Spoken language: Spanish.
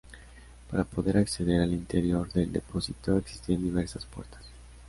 Para poder acceder al interior del depósito existían diversas puertas.